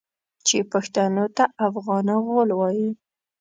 چې پښتنو ته افغان غول وايي.